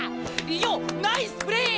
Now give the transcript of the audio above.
よっナイスプレー！